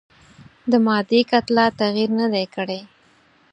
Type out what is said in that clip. د مادې کتله تغیر نه دی کړی.